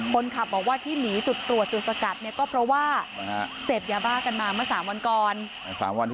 คนขับบอกว่าที่หนีจุดตรวจจุดสกัดเนี่ยก็เพราะว่าเสพยาบ้ากันมาเมื่อ๓วันก่อน